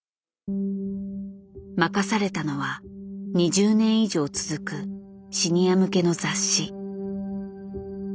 任されたのは２０年以上続くシニア向けの雑誌。